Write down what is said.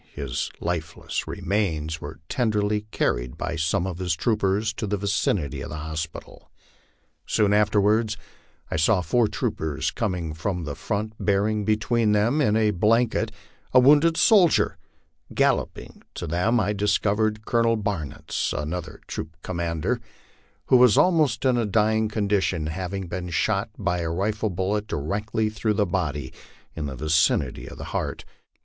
His lifeless remains were tenderly carried by some of his troopers to the vicinity of the hospital. Soon after wards I saw four troopers coming from the front bearing between them, in a blanket, a wounded soldier ; galloping to them, I discovered Colonel Baruitz, another troop commander, who was almost in a dying condition, having been shot by a rifle bullet directly through the body in the vicinity of the heart.